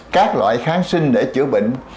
các loại kháng sinh để chữa bệnh